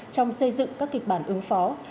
trong xây dựng các kịch bản ứng phó